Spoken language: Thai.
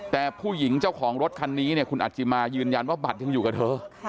แต่ผู้หญิงเจ้าของรถคันนี้เนี่ยคุณอัจจิมายืนยันว่าบัตรยังอยู่กับเธอ